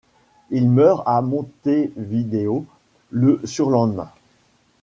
Il meurt à Montevideo le surlendemain.